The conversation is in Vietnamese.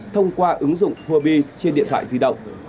thông qua ứng dụng horby trên điện thoại di động